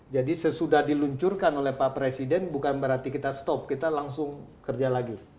jadi sesudah diluncurkan oleh pak presiden bukan berarti kita stop kita langsung kerja lagi